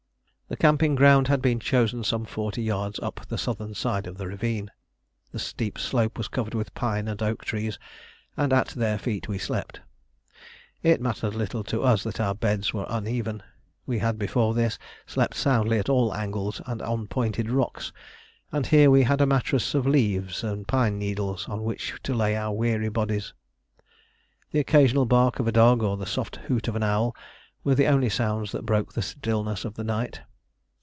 The camping ground had been chosen some forty yards up the southern side of the ravine. The steep slope was covered with pine and oak trees, and at their feet we slept. It mattered little to us that our beds were uneven. We had before this slept soundly at all angles and on pointed rocks; and here we had a mattress of leaves and pine needles on which to lay our weary bodies. The occasional bark of a dog or the soft hoot of an owl were the only sounds that broke the stillness of the night.